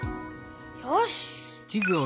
よし！